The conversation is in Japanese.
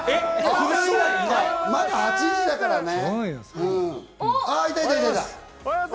まだ８時だからね。